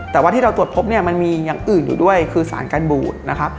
แต่ว่าที่เราตรวจพบเนี่ยมันมีอย่างอื่นอยู่ด้วยคือสารกันบูดนะครับ